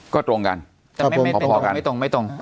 ก็ตรงกันแต่ไม่ตรง